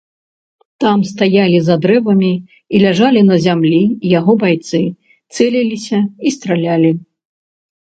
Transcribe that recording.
Там стаялі за дрэвамі і ляжалі на зямлі яго байцы, цэліліся і стралялі.